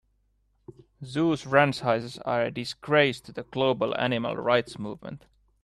Zoos franchises are a disgrace to the global animal rights movement.